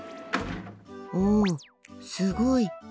おお、すごい！